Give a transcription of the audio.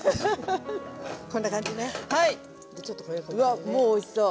うわっもうおいしそう。